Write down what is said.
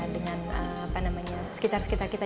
dengan apa namanya sekitar sekitar kita